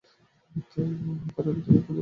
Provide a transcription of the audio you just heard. আঁধারে আমি তোমায় খুঁজে মরি।